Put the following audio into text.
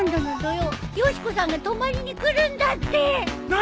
何！？